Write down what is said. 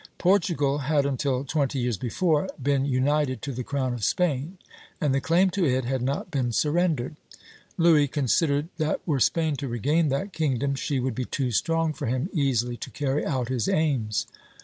Portugal had until twenty years before been united to the crown of Spain, and the claim to it had not been surrendered. Louis considered that were Spain to regain that kingdom she would be too strong for him easily to carry out his aims.